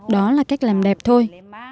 đó là cách làm đẹp thôi